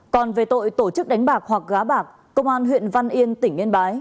còn về tội tổ chức đánh bạc hoặc gá bạc công an huyện văn yên tỉnh yên bái